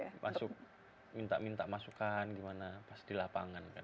masuk minta minta masukan gimana pas di lapangan kan